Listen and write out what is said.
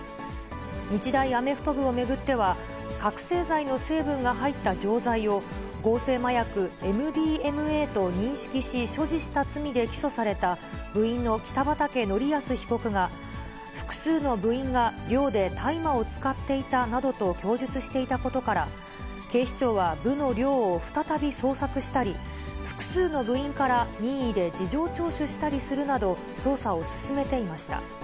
日大アメフト部を巡っては、覚醒剤の成分が入った錠剤を、合成麻薬ＭＤＭＡと認識し、所持した罪で起訴された、部員の北畠成文被告が、複数の部員が寮で大麻を使っていたなどと供述していたことから、警視庁は部の寮を再び捜索したり、複数の部員から任意で事情聴取したりするなど、捜査を進めていました。